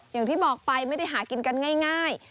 อย่างที่บอกไปไม่ได้หากินกันง่าย